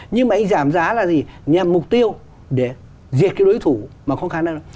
nhưng mà anh giảm giá là gì nhằm mục tiêu để diệt cái đối thủ mà không khả năng là